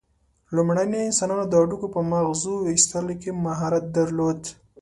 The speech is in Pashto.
لومړنیو انسانانو د هډوکو په مغزو ایستلو کې مهارت درلود.